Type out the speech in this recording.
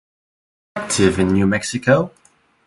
It was active in New Mexico.